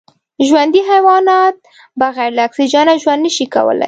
ژوندي حیوانات بغیر له اکسېجنه ژوند نشي کولای